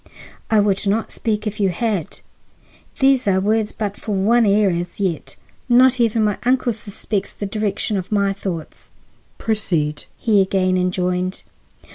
"I would not speak if you had. These are words for but one ear as yet. Not even my uncle suspects the direction of my thoughts." "Proceed," he again enjoined.